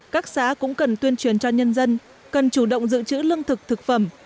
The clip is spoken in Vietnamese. các xã cũng cần tuyên truyền cho nhân dân cần chủ động giữ chữ lương thực thực phẩm